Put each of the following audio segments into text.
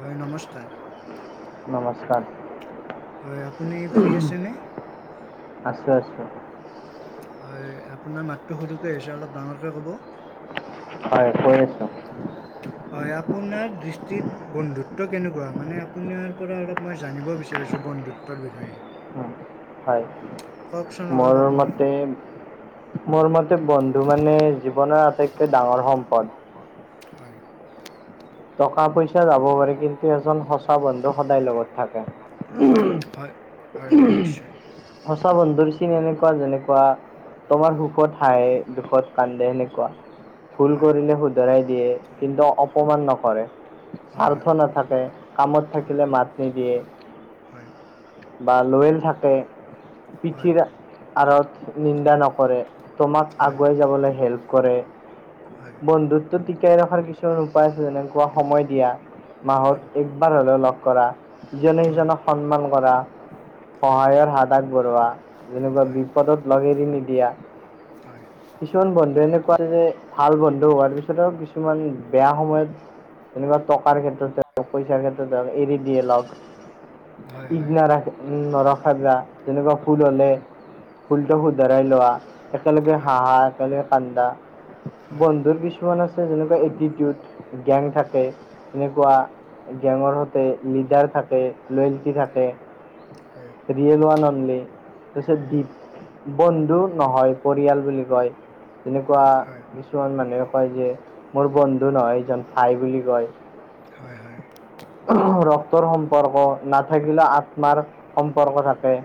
হয় নমস্কাৰ নমস্কাৰ হয় আপুনি ফ্ৰী আছেনে আছো আছো হয় আপোনাৰ মাতটো সৰুকে আহিছে অলপ ডাঙৰকে ক'ব হয় কৈ আছো হয় আপোনাৰ দৃষ্টিত বন্ধুত্ব কেনেকুৱা মানে আপোনাৰ পৰা অলপ মই জানিব বিচা ৰিছো বন্ধুত্বৰ বিষয়ে হয় কওকচোন অলপ মোৰ আপুনি মতে মোৰ মতে বন্ধু মানে জীৱনৰ আটাইতকৈ ডাঙৰ সম্পদ হয় টকা পইচা যাব পাৰে কিন্তু এজন সঁচা বন্ধু সদায় লগত থাকে হয় হয় হয় নিশ্চয় সঁচা বন্ধুৰ চিন এনেকুৱা যেনেকুৱা তোমাৰ সুখত হাহে দুখত কান্দে সেনেকুৱা ভুল হয় কৰিলে শুধৰাই দিয়ে কিন্তু অপমান নক কৰে হয় হয় হয় স্বাৰ্থ নাথাকে কামত থাকিলে মাত নিদিয়ে হয় হয় বা লয়েল থাকে হয় পিঠিৰে আঁৰত নিন্দা নকৰে তোমাক আগুৱাই যাবলে হেল্প কৰে হয় বন্ধুত্বটো টিকাই ৰখাৰ কিছুমান উপায় আছে যেনেকুৱা সময় দিয়া মাহত হয় একবাৰ হলেও লগ কৰা ইজনে হয় হয় সিজনক সন্মান কৰা হয় সহায়ৰ হাত আগবঢ়োৱা যেনেকুৱা হয় বিপদত লগ এৰি নিদিয়া হয় কিছুমান বন্ধু এনেকুৱা যে ভাল বন্ধু হোৱাৰ পিছতো কিছুমান বেয়া সময়ত অ তেনেকুৱা টকাৰ ক্ষেত্ৰতে হওক পইচাৰ ক্ষেত্ৰতে হওক এৰি দিয়ে লগ হয় [unintelligible] হয় নৰখা যেনেকুৱা ফুল হলে ভুলটো শুধৰাই লোৱা একেলগে হয় হাঁহা একেলগে কান্দা হয় হয় বন্ধুৰ কিছুমান আছে যেনেকুৱা এটিটিউড গেং থাকে তেনেকুৱা গেঙৰ সৈতে লিডাৰ থাকে লয়েলটি থাকে হয় ৰিয়েলৱান অনলি তাছত দীপ বন্ধু নহয় পৰিয়াল বুলি কয় তেনেকুৱা হয় কিছুমান মানুহে কয় যে মোৰ বন্ধু নহয় এজন ভাই বুলি কয় হয় হয় ৰক্তৰ সম্পৰ্ক নাথাকিলে আত্মাৰ সম্পৰ্ক থাকে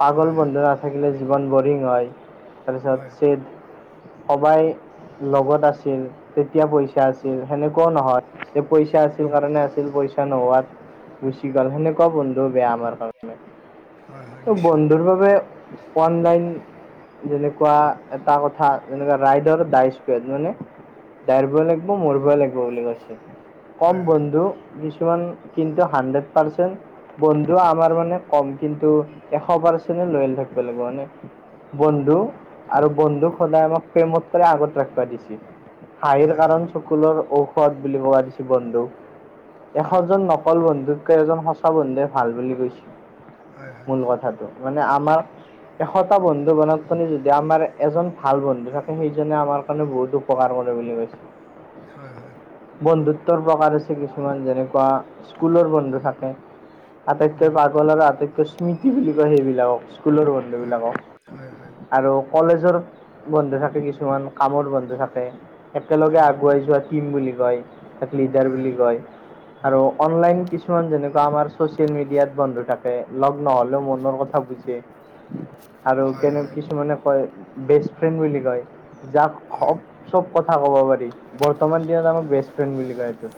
পাগল হয় হয় বন্ধু নাথাকিলে জীৱন বৰিং হয় তাৰপিছত চেদ সবাই লগত আছিল তেতিয়া পইচা আছিল সেনেকুৱাও নহয় যে পইচা আছিল কাৰণে আছিল পইচা নোহোৱাত গুচি গ'ল সেনেকুৱা বন্ধু বেয়া আমাৰ কাৰ হয় হয় নিশ্চয় বন্ধুৰ বাবে অনলাইন যেনেকুৱা এটা কথা যেনেকুৱা ৰাইডৰ দাইচ পেৰ নহয়‌ নে দৌৰব লাগিব মৰিবই লাগিব বুলি কৈছে হয় কম হয় বন্ধু কিছুমান কিন্তু হানড্ৰেড পাৰ্চেন্ট বন্ধু আমাৰ মানে কম কিন্তু এশ পাৰ্চেণ্টে লয়েল থাকিব লাগিব হয় নে বন্ধু আৰু বন্ধুক সদায় আমাক প্ৰেমকৈৰে আগত ৰাখিবা দিছিল হাঁহিৰ হয় হয় হয় কাৰণ চকুলোৰ ঔষধ বুলি কব দিছে বন্ধু এশজন নকল বন্ধুককে এজন সঁচা বন্ধুৱে ভাল বুলি কৈছিল হয় মূল কথাটো মানে আমাৰ এশটা বন্ধু বনাত কি যদি আমাৰ এজন ভাল বন্ধু থাকে সেইজনে আমাৰ কাৰণে বহুত উপকাৰ কৰে বুলি কৈছে হয় হয় বন্ধুত্বৰ প্ৰকাৰ আছে কিছুমান যেনেকুৱা স্কুলৰ বন্ধু থাকে আটাইতকৈ হয় পাগল আৰু আটাইতকৈ স্মৃতি বুলি কয় সেইবিলাকক স্কুলৰ বন্ধু হয় বিলাকক হয় হয় আৰু কলেজৰ বন্ধু থাকে কিছুমান কামৰ বন্ধু থাকে একেলগে হয় আগুৱাই যোৱা টিম বুলি কয় এক লিডাৰ হয় বুলি কয় আৰু অনলাইন কিছুমান যেনেকুৱা আমাৰ চচিয়েল মিডিয়াত বন্ধু থাকে নহ'লেও মনৰ কথা বুজে আৰু হয় হয় হয় কেনে হয় কিছুমানে কয় বেষ্ট ফ্ৰেণ্ড বুলি কয় যাক চব কথা কব পাৰি বৰ্তমান দিনত আমাৰ বেষ্ট ফ্ৰেণ্ড বুলি কয় এইটো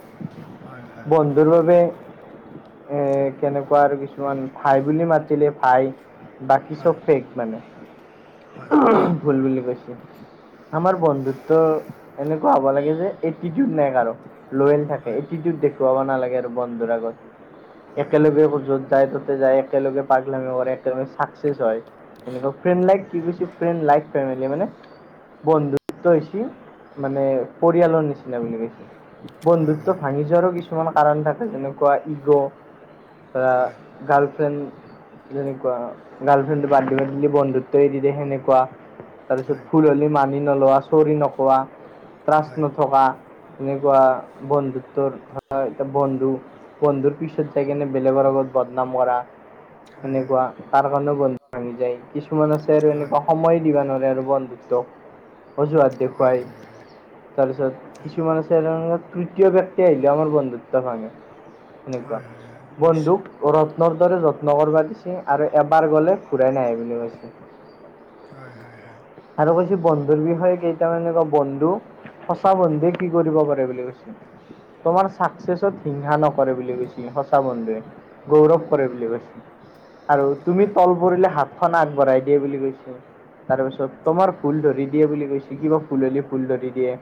হয় হয় হয় বন্ধুৰ বাবে এ কেনেকুৱা আৰু কিছুমান ভাই বুলি মাতিলে ভাই হয় বাকী চব ফেক মানে ঊম ভুল বুলি কৈছে আমাৰ বন্ধুত্ব এনেকুৱা হ'ব লাগে যে এটিটিউড নাই কাৰো লয়েল থাকে এটিটিউত দেখুৱাব নালাগে আৰু বন্ধুৰ আগত হয় হয় হয় একেলগে য'ত যায় ত'ত যায় একেলগে পাগলামি কৰে একেলগে চাকছেচ হয় এনেকুৱা ফ্ৰেন লাইক কি কৈছে ফ্ৰেন লাইক ফ্ৰেম মানে বন্ধুত্ব হৈছে মানে পৰিয়ালৰ নিচিনা বুলি কৈছে হয় হয় হয় বন্ধুত্ব হয় ভাঙি যোৱাৰো কিছুমান কাৰণ থাকে যেনেকুৱা ইগ' হয় বা গাৰ্লফ্ৰেণ্ড যেনেকুৱা গাৰ্লফ্ৰেড বাত দিলে বুলি বন্ধুত্বই দিলে সেনেকুৱা তাৰপিছত ভুল হলে মানি নলোৱা চৰি নকোৱা ত্ৰাছ নথকা এনেকুৱা বন্ধুত্বৰ ধৰ এতিয়া বন্ধু বন্ধুৰ পিছত যাই কেনে বেলেগৰ আগত বদনাম কৰা সেনেকুৱা তাৰ কাৰণেও বন্ধু ভাঙি যায় কিছুমান আছে আৰু হয় হয় এনেকুৱা সময় দিবা নোৱাৰে আৰু হয় বন্ধু তোক অজোহাত হয় দেখুৱাই হয় হয় তাৰপিছত কিছুমান আছে এনেধৰণৰ তৃতীয় ব্যক্তি আহিলে আমাৰ বন্ধুত্বৰ ভাঙে সেনেকুৱা হয় হয় হয় নিশ্চয় বন্ধুক ৰত্নৰ দৰে যত্ন কৰিবা দিছে আৰু এবাৰ গলে ঘুৰাই নাহে বুলি কৈছে হয় হয় হয় আৰু কৈছে বন্ধুৰ বিষয়ে কেইটা মানে এনেকুৱা বন্ধু সঁচা বন্ধুৱে কি কৰিব পাৰে বুলি কৈছে তোমাৰ চাকচেচত হিংসা নকৰে বুলি কৈছে সঁচা বন্ধুৱে। গৌৰৱ কৰে বুলি কৈছে আৰু তুমি হয় হয় তল পৰিলে হাতখন আগবঢ়াই দিয়ে বুলি কৈছে। তাৰ পিছত তোমাৰ ভূল ধৰি দিয়ে বুলি কৈছে কিবা ভূল হলে ভুল ধৰি দিয়ে।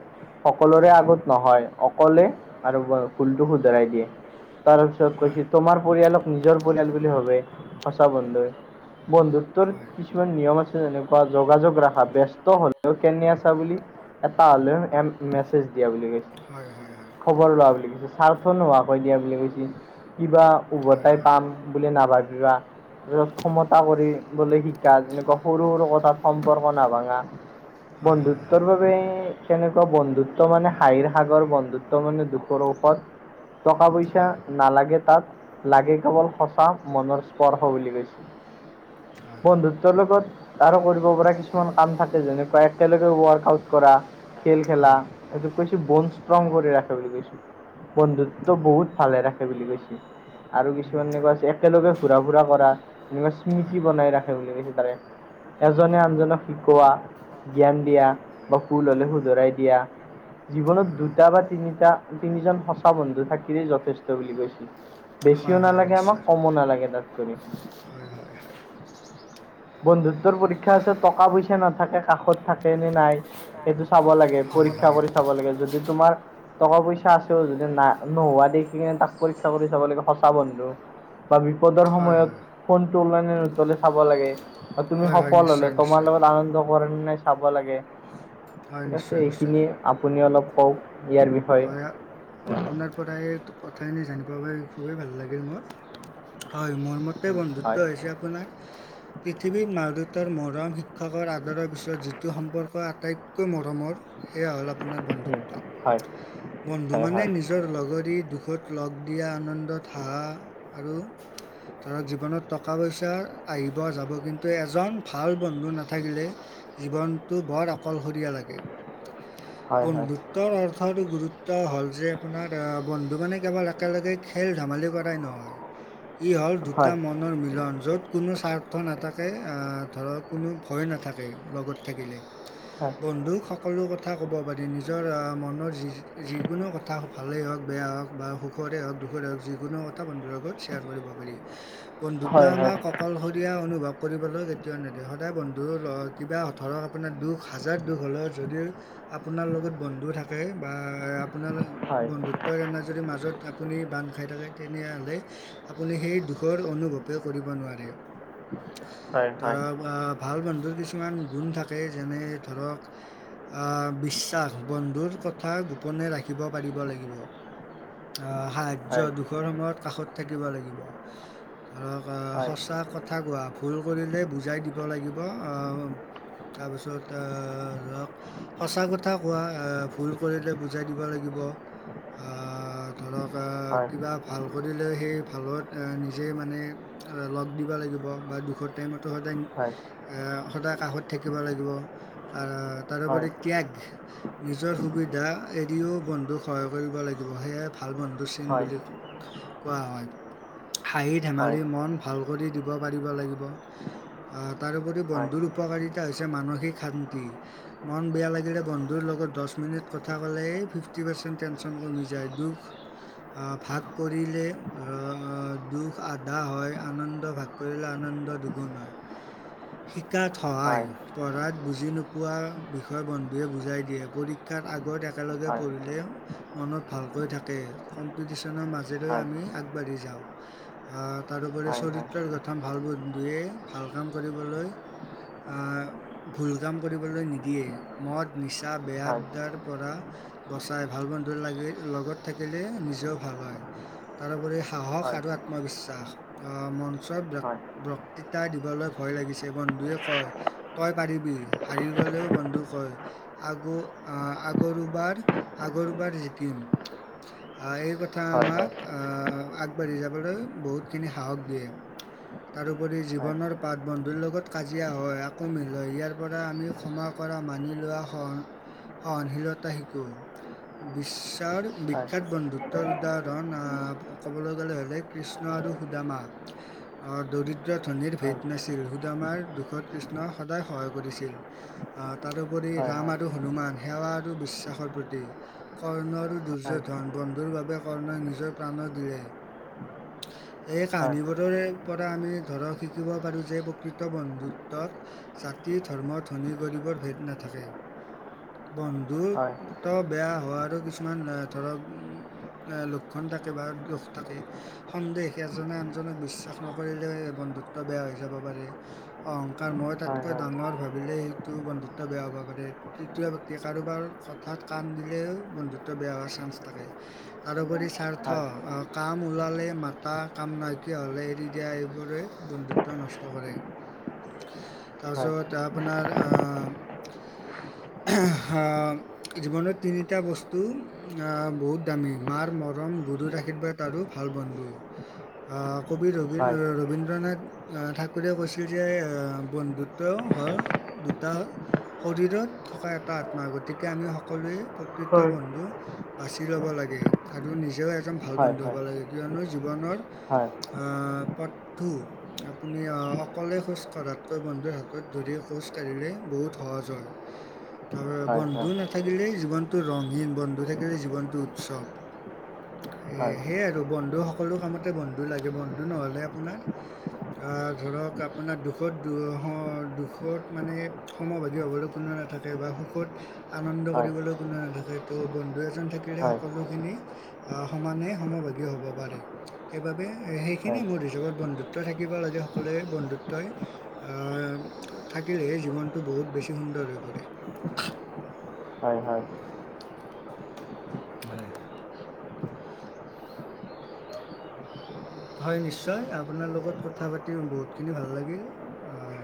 সকলোৰে হয় হয় আগত নহয় অকলে আৰু ভূলটো শুধৰাই দিয়ে। তাৰ পিছত কৈছে, তোমাৰ পৰিয়ালক নিজৰ পৰিয়াল বুলি ভাবে সঁচা বন্ধুেৱে। বন্ধুত্বৰ কিছুমান নিয়ম আছে, যেনেকুৱা যোগাযোগ ৰখা ব্যস্ত হলেও কেনে আছা বুলি। এটা হলেও মেছেজ দিয়া বুলি কৈছে। হয়' হয়' হয়'। খবৰ লোৱা বুলি কৈছে, স্বাৰ্থ নোহোৱাকৈ দিয়া বুলি কৈছে। কিবা হয় হয় ওভতাই পাম বুলি নাভাবিবা। য'ত ক্ষমতা কৰিবলে শিকা, এনেকুৱা সৰু সৰু কথাত সম্পৰ্ক হয় নাভাঙা। হয় হয় হয় হয় বন্ধুত্বৰ বাবে কেনেকুৱা বন্ধুত্ব মানে হাঁহিৰ সাগৰ। বন্ধুত্ব মানে দুখ [unintelligible] ঔষধ টকা পইচা হয় নালাগে তাত। লাগে কেৱল সঁচা মনৰ স্পৰ্শ বুলি কৈছিল। বন্ধুত্বৰ লগত আৰু কৰিব পৰা কিছুমান কাম থাকে, যেনেকুৱা একেলগে ৱৰ্ক আউট কৰা। খেল খেলা, হয় হয় তাৰপিছত কৈছো বন ষ্ট্ৰং কৰি ৰাখে বুলি কৈছো। বন্ধুত্ব বহুত ভালে ৰাখে বুলি কৈছে। আৰু উম, কিছুমান এনেকুৱা আছে, একেলগে ঘুৰা-ফুৰা কৰা এনেকুৱা হয় স্মৃতি বনাই ৰাখে বুলি কৈছে তাৰে। এজনে আনজনক শিকোৱা, জ্ঞান দিয়া বা ভূল হলে হয় শুধৰাই দিয়া। জীৱনত হয় হয় দুটা বা তিনিটা তিনিজন সঁচা বন্ধু থাকিলেই যথেষ্ট বুলি [unintelligible] বেছিও হয় হয় নালাগে, আমাক নিশ্চয় কমো নালাগে তাতকৰি। হয় হয় বন্ধুত্বৰ পৰীক্ষা আছে, টকা পইচা নাথাকে কাষত থাকে নে নাই। সেইটো চাব লাগে, হয় পৰীক্ষা হয় কৰি চাব লাগে। হয় যদি তোমাৰ টকা-পইচা আছেও যদি না নোহোৱা দেখি কিনে তাক পৰীক্ষা কৰি চাব লাগে সঁচা বন্ধু। বা বিপদৰ হয় সময়ত হয় ফোন তোলে নে নোতোলে চাব লাগে। আৰু তুমি হয় হয় সফল হ'লে, নিশ্চয় তোমাৰ নিশ্চয় লগত আনন্দ কৰে নে নাই চাব লাগে। হয় ঠিক আছে, নিশ্চয় নিশ্চয় এইখিনিয়ে আপুনি অলপ কওক ইয়াৰ বিষয়ে। হয়, আপোনাৰ পৰা এই কথাখিনি জানিব পাৰি খুবেই ভাল লাগিল মোৰ। হয়, মোৰ মতে হয় বন্ধুত্ব হৈছে আপোনাৰ [inaudible] পৃথিৱীৰ মা-দউতাৰ মৰম, শিক্ষকৰ আদৰৰ পিছত যিটো সম্পৰ্ক আটাইতকৈ মৰমৰ সেইয়া হ'ল আপোনাৰ বন্ধুত্ব। হয় বন্ধু হয় হয় মানে নিজ নিজৰ লগৰী দুখত লগ দিয়া, আনন্দত হাহা। আৰু ধৰক জীৱনত টকা-পইচা আহিব যাব কিন্তু এজন ভাল বন্ধু নাথাকিলে জীৱনটো বৰ অকলশৰীয়া লাগে। হয় হয় হয় হয় বন্ধুত্বৰ অৰ্থ ৰ্থৰ গুৰুত্ব হ'ল যে আপোনাৰ বন্ধু মানে কেৱল একেলগে খেল-ধেমালি কৰাই নহয়। ই হ'ল দুটা মনৰ মিলন। য'ত কোনো স্বাৰ্থ নাথাকে, অ' ধৰক কোনো ভয় নাথাকে লগত থাকিলে। হয়। বন্ধুক সকলো কথা ক'ব পাৰি, নিজৰ মনৰ যি যিকোনো কথা ভালেই হওক, বেয়া হওক বা সুখ। সুখৰে হওঁক, দুখৰে হওঁক যিকোনো কথা বন্ধুৰ সৈতে শেয়াৰ কৰিব পাৰি, বন্ধুত্ব হয় হয় আমাক অকলশ শৰীয়া অনুভৱ কৰিবলৈ কেতিয়াও নেদিয়ে, সদায় বন্ধু কিবা ধৰক আপোনাৰ দুখ হাজাৰ দুখ হলেও যদি আপোনাৰ লগত বন্ধু থাক [unintelligible] বা আপোনাৰ বন্ধু ত্বই যদি মাজত আপুনি বান্ধ খাই থাকে তেনেহ'লে আপুনি সেই দুখৰ অনুভৱে কৰিব নোৱাৰে। হয় হয় [unintelligible] ভাল বন্ধুৰ কিছুমান গুণ থাকে, যেনে ধৰক বিশ্বাস বন্ধুৰ কথা গোপনে ৰাখিব পাৰিব লাগিব, আ সাহায্য হয় দুখৰ সময়ত কাষত থাকিব লাগিব। ধৰক অ' হয় সঁচা কথা কোৱা। ভুল কৰিলে বুজাই দিব লাগিব। অঁ তাৰপিছত আহ, ধৰক সঁচা কথা কোৱা। আহ, ভুল কৰিলে বুজাই দিব লাগিব, আঁ ধৰক আঁ কিবা ভাল কৰিলে, সেই ভালত এঁ নিজেই মানে ল'গ দিব লাগিব। বা দুখৰ টাইমত, তো, সদায় এঁ সদায় কাষত থাকিব লাগিব। আ, তাৰোপৰি ত্যাগ, ই নিজৰ সুবিধা এৰিও, বন্ধুক সহায় কৰিব লাগিব। সেয়াই ভাল বন্ধু চিন বুলি কোৱা হয়। হাঁহি ধেমালি মন ভাল কৰি দিব পাৰিব লাগিব। আঁ তাৰোপৰি বন্ধুৰ উপকাৰী তা হৈছে‌ মানসিক শান্তি। মন বেয়া লাগিলে বন্ধুৰ লগত দচ মিনিট কথা ক'লেই ফিফটি পাৰ্চেণ্ট টেনশ্যন কমি যায়। দুখ অঁ ভাগ কৰিলে অঁ দুখ আধা হয়, আনন্দ ভাগ কৰিলে, আনন্দ দুগুণ হয়। [inaudible] শিকাত সহায়, পঢ়াত বুজি নোপোৱাৰ বিষয় বন্ধুৱে বুজাই দিয়ে। পৰী ক্ষাত আগত একেলগে পঢ়িলে মনত ভালকৈ থাকে। কম্পিটিশ্যনৰ মাজেৰেও আমি আগবাঢ়ি যাওঁ। আঁ তাৰোপৰি চৰিত্ৰৰ গঠন ভাল বন্ধুৱে, ভাল কাম কৰিবলৈ আঁ ভুল কাম কৰিবলৈ নিদিয়ে। মদ, নিচা বেয়া যাৰ পৰা বচাই। ভাল বন্ধু লাগি লগত থাকিলে নিজেও ভাল হয়। তাৰোপৰি সাহস আৰু আত্মবিশ্বাস, অঁ মঞ্চৰ ব্যক্তি বক্তৃতা দিবলৈ ভয় লাগিছে, বন্ধুৱে কয় তই পাৰিবি, হাৰি গ'লেও বন্ধু কয় আগু আঁ আগৰুবাৰ আগৰুবাৰ জিকিম। আঁ এই ক থা আমাক, আঁ আগবাঢ়ি যাবলৈ বহুতখিনি সাহস দিয়ে। তাৰোপৰি জীৱনৰ পাট, বন্ধুৰ লগত কাজিয়া হয়। আকৌ মিল হয়, ইয়াৰ পৰা আমি ক্ষমা কৰা মানি লোৱা সহন সহনশীলতা শিকোঁ। বিশ্বৰ বিখ্যাত বন্ধুত্বৰ উদাহৰণ, আঁ ক'বলৈ গ'লে হ'লে কৃষ্ণ আৰু সুদামা। অঁ দৰিদ্ৰ ধ্বনিৰ ভেদ নাছিল। সুদামাৰ দুখত কৃষ্ণই সদায় সহায় কৰিছিল। আহ, তাৰোপৰি ৰাম আৰু হনুমান সেৱা আৰু বিশ্বাসৰ প্ৰতিক। কৰ্ণ আৰু দুৰ্যধন। বন্ধুৰ বাবে কৰ্ণই নিজৰ প্ৰাণো দিলে। [inaudible] এই কাহিনীবোৰৰে পৰা আমি ধৰক, শিকিব পাৰোঁ যে প্ৰকৃত বন্ধুত্বত জাতি, ধৰ্ম, ধনী, গৰীবৰ ভেদ নাথাকে। বন্ধুত্ব বেয়া হোৱাৰো কিছুমান ধৰক এঁ লক্ষণ থাকে, বা দোষ থাকে। সন্দেহ, এজনে আনজনক বিশ্বাস নকৰিলে বন্ধুত্ব বেয়া হৈ যাব পাৰে। অহংকাৰ, মই তাতকৈ ডাঙৰ ভাবিলেই সেইটো বন্ধুত্ব বেয়া হ'ব পাৰে। তিতিয়া য়া কাৰোবাৰ কথাত কাণ দিলেও বন্ধুত্ব বেয়া হোৱাৰ চান্স থাকে। তাৰোপৰি স্বাৰ্থ, কাম ওলালে মাতা, কাম নাইকীয়া হ'লে এৰি দিয়া, এইবোৰে বন্ধুত্ব নষ্ট কৰে। [unintelligible] তাৰপিছত, আপোনাৰ আহ, [unintelligible] আহ, জীৱনত তিনিটা বস্তু আহ বহুত দামী, মাৰ মৰম, গুৰুৰ আ গুৰুৰ আশীৰ্বাদ আৰু ভাল বন্ধু। [unintelligible] আহ, কবি ৰ-ৰবীন্দ্ৰনাথ আহ, ঠাকুৰে কৈছিল যে বন্ধুত্ব হ'ল দুটা শৰীৰত থকা এটা আত্মা গতিকে আমি সকলোৱে প্ৰকৃত বন্ধু বাছি ল'ব লাগে আৰু নিজেও এজন ভাল বন্ধু হ'ব লাগে কিয়নো জীৱনৰ আহ, প টো আপুনি অকলে খোজ কঢ়াতকৈ বন্ধুৰ হাতত ধৰি খোজ কাঢ়িলে বহুত সহজ হয়। [unintelligible] তাৰপৰা বন্ধু নাথাকিলেই জীৱনটো ৰঙহীন, বন্ধু থাকিলে জীৱনটো উৎসৱ। এ সেয়াই আৰু বন্ধু সকলো কামতে বন্ধু লাগে, বন্ধু নহ'লে আপোনাৰ অহ, ধৰক আপোনাৰ দুখত দু-স-দুখত মানে সমভাগি হ'বলৈ কোনো নাথাকে বা সুখত আনন্দ কৰিবলৈ কোনোৱো নাথাকে ত' বন্ধু এজন থাকিলে সকলোখিনি অহ, সমানে সমভাগী হ'ব পাৰে। সেইবাবে, সেইখিনিয়ে মোৰ হিচাপত বন্ধুত্ব থাকিব লাগে সকলোৱে। বন্ধুত্বই আহ, থাকিলে জীৱনটো বহুত বেছি সুন্দৰ হৈ পৰে। হয়, হয়। হয়। [unintelligible] হয় নিশ্চয় আপোনাৰ লগত কথা পাতি বহুতখিনি ভাল লাগিল। আহ,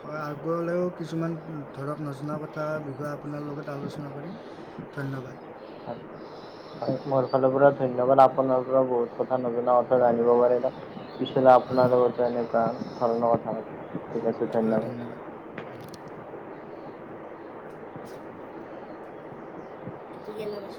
হয় আগলৈও কিছুমান ধৰক নজনা কথা, বিষয়ে আপোনাৰ লগত আলোচনা কৰিম। ধন্যবাদ। মোৰ ফালৰ পৰা ধন্যবাদ। আ আপোনাৰ পৰা বহুত কথা নজনা কথা জানিব পাৰিলো। পিছলে হয় হয় আপোনাৰ লগতো ধন্যবাদ। এনেকুৱা ধৰণৰ হয়, ঠিক আছে ধন্যবাদ। উম। এইটো কেনে পাইছ?